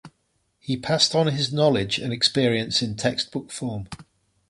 He passed on his knowledge and experience in textbook form.